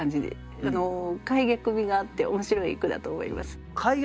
諧謔みがあって面白い句だと思います。